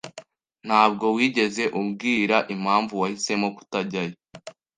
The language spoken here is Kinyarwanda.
Ntabwo wigeze umbwira impamvu wahisemo kutajyayo.